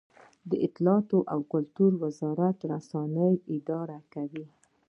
د اطلاعاتو او کلتور وزارت رسنۍ اداره کوي